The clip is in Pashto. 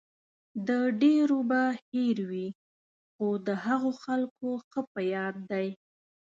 د ډېرو به هېر وي، خو د هغو خلکو ښه په یاد دی.